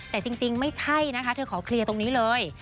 แต่จริงไม่ใช่นะคะเธอขอเคลียร์ตรงนี้เลย